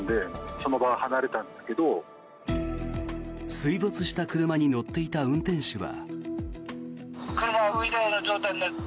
水没した車に乗っていた運転手は。